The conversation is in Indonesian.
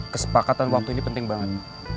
kesepakatan waktu ini penting banget